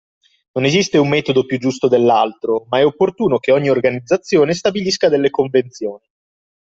Non esiste un metodo più giusto dell’altro, ma è opportuno che ogni organizzazione stabilisca delle convenzioni